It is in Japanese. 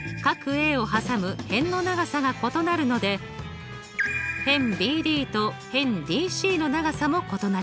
Ａをはさむ辺の長さが異なるので辺ＢＤと辺ＤＣの長さも異なります。